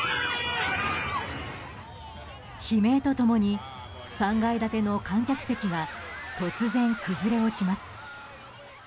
悲鳴と共に３階建ての観客席が突然崩れ落ちます。